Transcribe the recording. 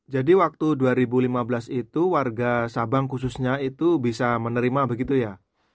jadi waktu dua ribu lima belas itu warga sabang khususnya itu bisa menerima begitu ya